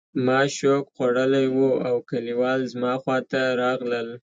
ما شوک خوړلی و او کلیوال زما خواته راغلل